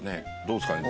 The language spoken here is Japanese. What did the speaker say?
どうですかね？